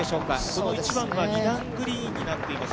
この１番は２段グリーンになっています。